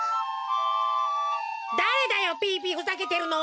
だれだよピーピーふざけてるのは！